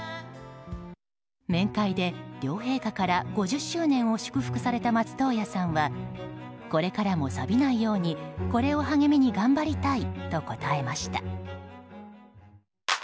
面会で両陛下から５０周年を祝福された松任谷さんはこれからもさびないようにこれを励みに頑張りたいと答えました。